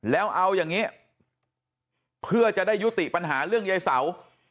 แล้วเอาอย่างนี้เพื่อจะได้ยุติปัญหาเรื่องยายเสา